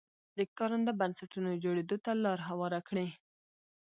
د کارنده بنسټونو جوړېدو ته لار هواره کړي.